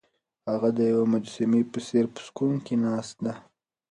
هغه د یوې مجسمې په څېر په سکون کې ناسته ده.